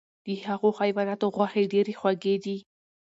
د هغو حیواناتو غوښې ډیرې خوږې دي،